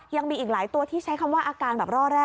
ยังมีอีกหลายตัวที่ใช้คำว่าอาการแบบร่อแร่